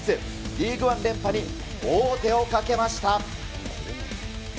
リーグワン連覇に王手をかけました。